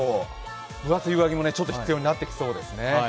分厚い上着もちょっと必要になってきそうですね。